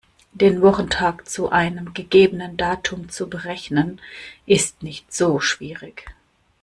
Den Wochentag zu einem gegebenen Datum zu berechnen, ist nicht so schwierig.